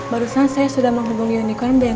barusan saya sudah menghubungi unicorn ben